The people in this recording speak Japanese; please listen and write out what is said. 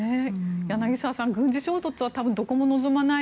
柳澤さん、軍事衝突はどこも望まない。